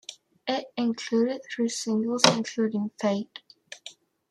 It included three singles including "Fade".